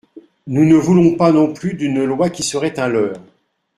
Nous ne voulons pas non plus d’une loi qui serait un leurre.